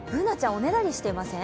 おねだりしてません？